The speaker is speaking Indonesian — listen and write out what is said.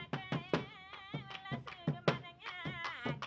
bisu merupakan suatu parasit dunia yang memiliki kekecewaan dan kekuatan